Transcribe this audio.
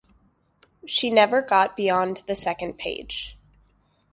She never got beyond the second page.